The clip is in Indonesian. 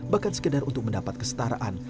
bahkan sekedar untuk mendapat kesetaraan